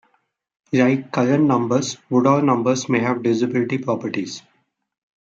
Like Cullen numbers, Woodall numbers have many divisibility properties.